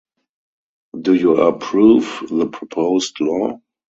Do you approve the proposed law?